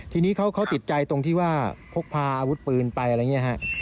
ที่นี้เขาติดใจตรงที่ว่าพวกพาอาวุธปืนไปอะไรเงี้ยครับ